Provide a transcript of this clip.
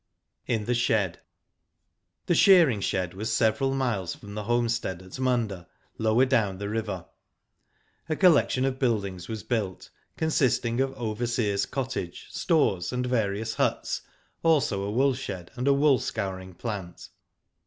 IN THE SHED. The shearing shed was several miles from the homestead at Munda, lo>ver down the river. A collection of buildings was built, consisting of overseer's cottage, stores, and various huts, also a wool shed, and wool scoaring plant.